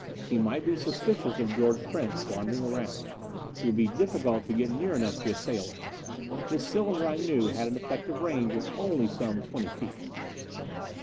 He might be suspicious of George Prince wandering around; it would be difficult to get near enough to assail him. This cylinder, I knew, had an effective range of only some twenty feet.